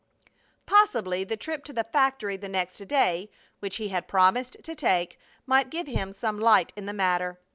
Possibly the trip to the factory the next day, which he had promised to take, might give him some light in the matter.